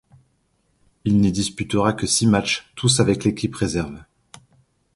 Il n'y disputera que six matchs, tous avec l'équipe réserve.